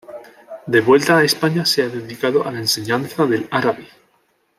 De vuelta a España, se ha dedicado a la enseñanza del árabe.